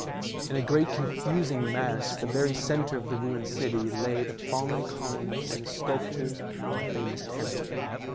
In a great confusing mass in the very centre of the ruined city lay the fallen columns and the sculptures of the famous temple.